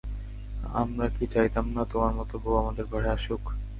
আমরা কি চাইতাম না তোমার মতো বৌ আমাদের ঘরে আসুক!